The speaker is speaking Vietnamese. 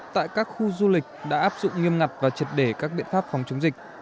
tại các khu du lịch đã áp dụng nghiêm ngặt và triệt để các biện pháp phòng chống dịch